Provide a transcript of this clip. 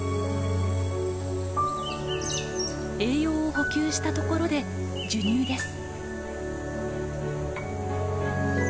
栄養を補給したところで授乳です。